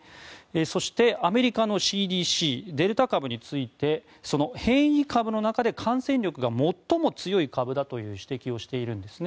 そして、アメリカのＣＤＣデルタ株についてその変異株の中で感染力が最も強い株だという指摘をしているんですね。